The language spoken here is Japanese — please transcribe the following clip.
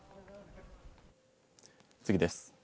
次です。